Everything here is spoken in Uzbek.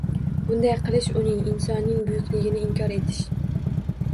Bunday qilish uning – insonning buyukligini inkor etish